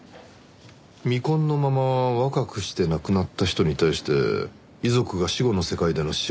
「未婚のまま若くして亡くなった人に対して遺族が死後の世界での幸せを願い